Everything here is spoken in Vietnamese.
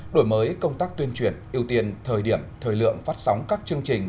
đổi mới công tác tuyên truyền ưu tiên thời điểm thời lượng phát sóng các chương trình